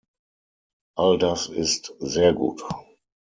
All das ist sehr gut.